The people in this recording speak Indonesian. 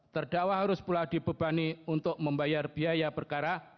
terdakwa harus pula dibebani untuk membayar biaya perkara